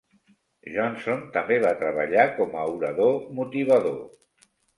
Johnson també va treballar com a orador motivador.